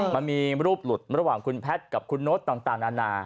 มันมีรูปหลุดระหว่างคุณแพทย์กับคุณโน๊ตต่างนานา